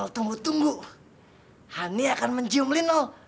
aduh perang perang